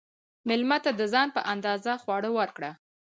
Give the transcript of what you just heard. مېلمه ته د ځان په اندازه خواړه ورکړه.